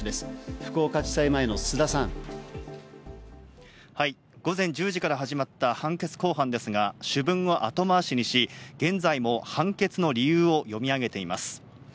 福岡地裁前の須田さ午前１０時から始まった判決公判ですが、主文を後回しにし、現在も判決の理由を読み上げています。